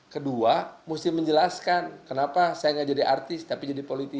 kedua mesti menjelaskan kenapa saya nggak jadi artis tapi jadi politisi